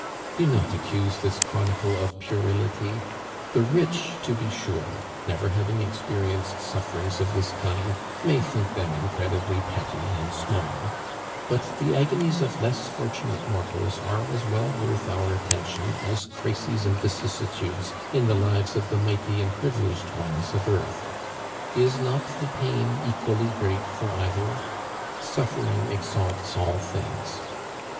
Do not accuse this chronicle of puerility. The rich, to be sure, never having experienced sufferings of this kind, may think them incredibly petty and small; but the agonies of less fortunate mortals are as well worth our attention as crises and vicissitudes in the lives of the mighty and privileged ones of earth. Is not the pain equally great for either? Suffering exalts all things.